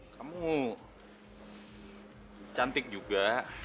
kamu cantik juga